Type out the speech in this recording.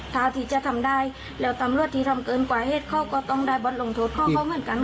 ถ้าที่จะทำได้แล้วตำรวจที่ทำเกินกว่าเหตุเขาก็ต้องได้บทลงโทษของเขาเหมือนกัน